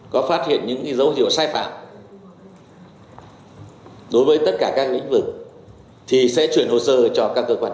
có phát hiện những dấu hiệu sai phạm đối với tất cả các lĩnh vực thì sẽ chuyển hồ sơ cho các cơ quan